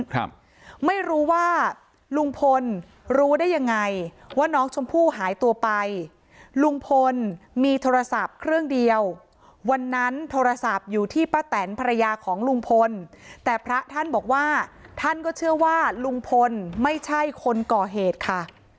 ครับไม่รู้ว่าลุงพลรู้ได้ยังไงว่าน้องชมพู่หายตัวไปลุงพลมีโทรศัพท์เครื่องเดียววันนั้นโทรศัพท์อยู่ที่ป้าแตนภรรยาของลุงพลแต่พระท่านบอกว่าท่านก็เชื่อว่าลุงพลไม่ใช่คนก่อเหตุค่ะ